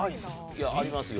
いやありますよ